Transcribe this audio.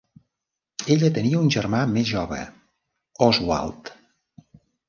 Ella tenia un germà més jove, Oswald.